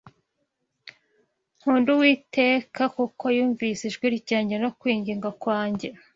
Nkundira Uwiteka kuko yumvise ijwi ryanjye no kwinginga kwanjye